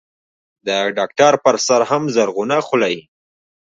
د ډاکتر پر سر هم زرغونه خولۍ.